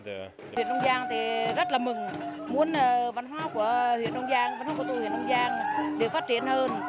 huyện đông giang thì rất là mừng muốn văn hóa của huyện đông giang văn hóa của tôi huyện đông giang được phát triển hơn